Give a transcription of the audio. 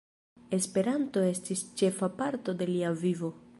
Esperanto estis ĉefa parto de lia vivo.